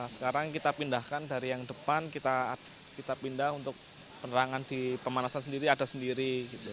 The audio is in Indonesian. sekarang kita pindahkan dari yang depan kita pindah untuk penerangan di pemanasan sendiri ada sendiri